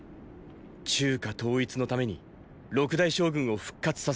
中華統一のために六大将軍を復活させると。